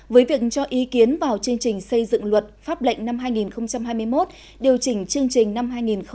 với việc cho ý kiến vào chương trình xây dựng luật pháp lệnh năm hai nghìn hai mươi một điều chỉnh chương trình năm hai nghìn hai mươi